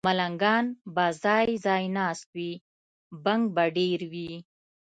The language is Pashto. ملنګان به ځای، ځای ناست وي، بنګ به ډېر وي